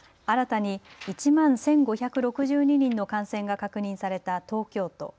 新たに１万１５６２人の感染が確認された東京都。